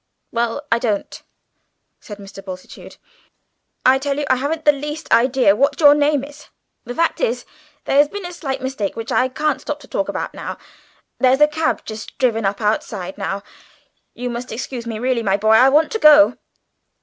"Well, I don't," said Mr. Bultitude. "I tell you I haven't the least idea what your name is. The fact is there has been a slight mistake, which I can't stop to talk about now. There's a cab just driven up outside now. You must excuse me, really, my boy, I want to go."